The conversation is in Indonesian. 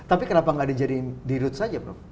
tapi kenapa gak dijadiin di rut saja prof